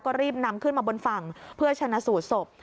ก็รีบนำขึ้นมาบนฝั่งเพื่อชนะสูตรศพ